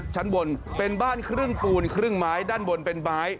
ชั้นบนเป็นบ้านครึ่งปูนครึ่งไม้ด้านบนเป็นไม้